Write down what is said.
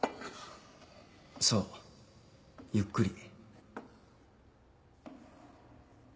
そうゆっくり。